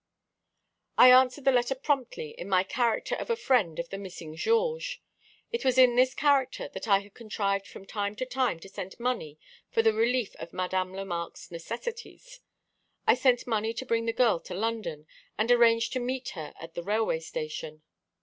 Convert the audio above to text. "I answered the letter promptly, in my character of a friend of the missing Georges. It was in this character that I had contrived from time to time to send money for the relief of Madame Lemarque's necessities. I sent money to bring the girl to London, and arranged to meet her at the railway station.